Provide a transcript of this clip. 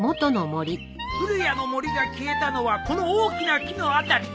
ふるやのもりが消えたのはこの大きな木の辺りじゃ。